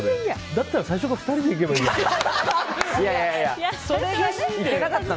だったら最初から２人で行けばよくない？